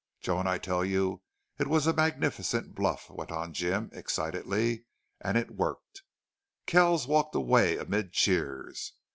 "Joan, I tell you it was a magnificent bluff," went on Jim, excitedly. "And it worked. Kells walked away amid cheers.